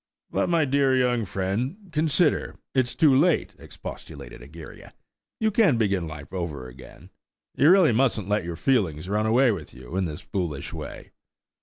"But my dear young friend, consider–it's too late," expostulated Egeria. "You can't begin life over again. You really mustn't let your feelings run away with you in this foolish way.